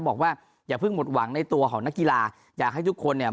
บอกว่าอย่าเพิ่งหมดหวังในตัวของนักกีฬาอยากให้ทุกคนเนี่ย